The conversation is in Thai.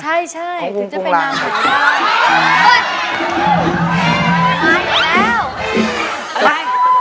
เครื่องนี้อย่างงี้